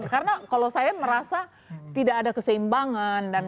karena kalau saya merasa tidak ada keseimbangan